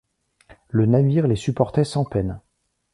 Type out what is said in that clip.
Le navire les supportait sans peine.